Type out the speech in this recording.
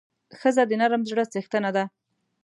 ښځه د نرم زړه څښتنه ده.